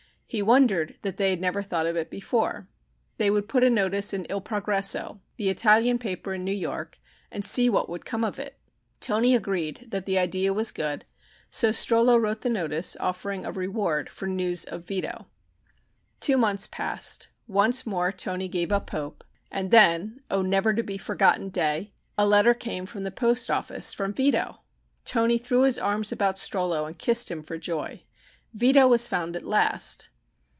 He wondered that they had never thought of it before. They would put a notice in Il Progresso, the Italian paper in New York, and see what would come of it. Toni agreed that the idea was good, so Strollo wrote the notice offering a reward for news of Vito. Two months passed, once more Toni gave up hope, and then, O never to be forgotten day! a letter came from the post office from Vito! Toni threw his arms about Strollo and kissed him for joy. Vito was found at last!